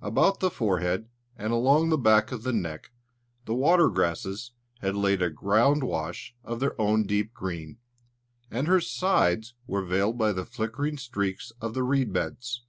About the forehead and along the back of the neck, the water grasses had laid a ground wash of their own deep green; and her sides were veiled by the flickering streaks of the reed beds.